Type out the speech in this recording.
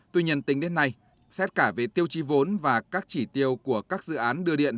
tuy nhiên tính đến nay xét cả về tiêu chi vốn và các chỉ tiêu của các dự án đưa điện